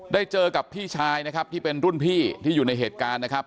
เจอกับพี่ชายนะครับที่เป็นรุ่นพี่ที่อยู่ในเหตุการณ์นะครับ